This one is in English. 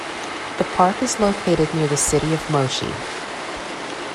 The park is located near the city of Moshi.